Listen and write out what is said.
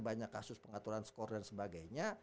banyak kasus pengaturan skor dan sebagainya